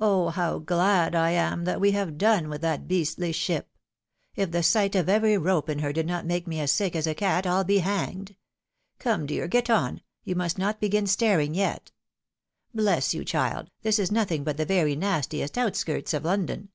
Oh ! how glad I am that we have done with that beastly ship ! If the sight of every rope in her did not make me as sick as a cat, I'U be hanged ! Come, dear, get on ; you must not begin staring yet. Bless you, child, this is nothing but the very nastiest outskirts of London.